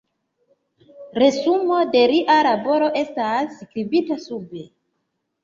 Resumo de lia laboro estas skribita sube.